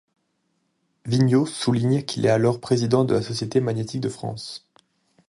Vigneau souligne qu'il est alors président de la société magnétique de France.